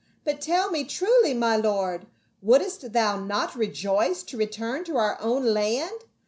" But tell me truly, my lord, wouldst thou not rejoice to return to our own land